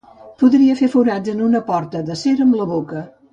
Podria fer forats en una porta d'acer amb la boca.